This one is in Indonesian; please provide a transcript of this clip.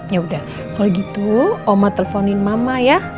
yaudah kalau gitu oma teleponin mama ya